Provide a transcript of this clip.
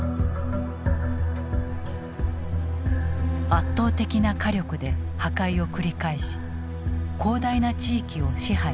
圧倒的な火力で破壊を繰り返し広大な地域を支配した。